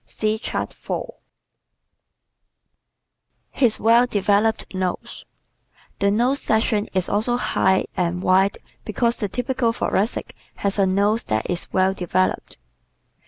(See Chart 4) His Well Developed Nose ¶ The nose section is also high and wide because the typical Thoracic has a nose that is well developed.